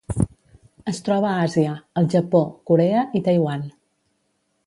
Es troba a Àsia: el Japó, Corea i Taiwan.